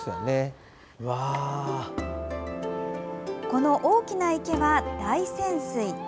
この大きな池は大泉水。